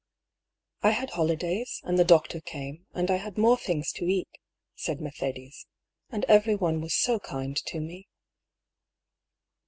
^' I had holidays, and the doctor came, and I had more things to eat," said Mercedes ;" and everyone was so kind to me."